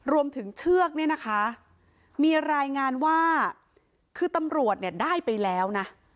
รวมถึงเชือกนี่นะคะมีรายงานว่าคือตำรวจได้ไปแล้วนะ